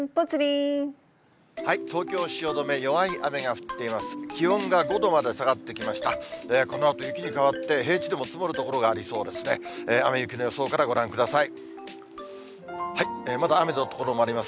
東京・汐留、弱い雨が降っています。